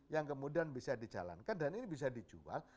yang kemudian bisa dijalankan dan ini bisa dijual